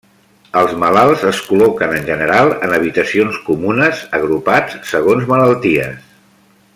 Els malalts es col·loquen, en general, en habitacions comunes agrupats segons malalties.